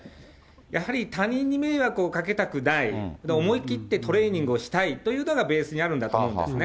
やはり他人に迷惑をかけたくない、それで思い切ってトレーニングをしたいというのがベースにあるんだと思うんですね。